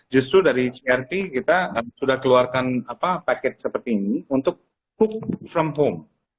justru dari crp kita sudah keluarkan paket seperti ini untuk hook from home